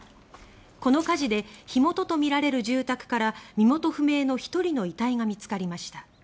この火事で火元とみられる住宅から身元不明の１人の遺体が見つかりました。